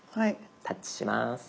タッチします。